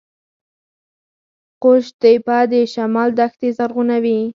قوش تیپه د شمال دښتې زرغونوي